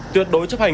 tuyệt đối chấp hành